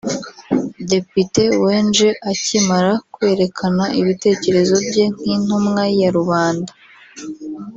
Depite Wenje akimara kwerekana ibitekerezo bye nk’ intumwa ya rubanda